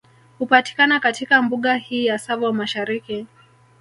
Hupatikana katika Mbuga hii ya Tsavo Mashariki